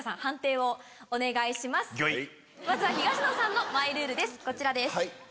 まずは東野さんのマイルールこちらです。